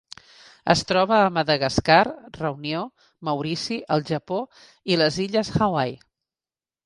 Es troba a Madagascar, Reunió, Maurici, el Japó i les illes Hawaii.